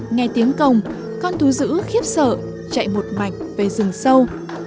nghe tiếng cồng con thú giữ khiếp sợ chạy một mạch về rừng sâu